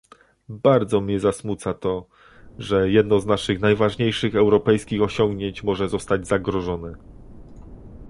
Bardzo mnie zasmuca to, że jedno z naszych najważniejszych europejskich osiągnięć może zostać zagrożone